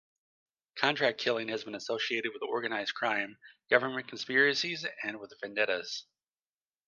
Contract killing has been associated with organized crime, government conspiracies and with vendettas.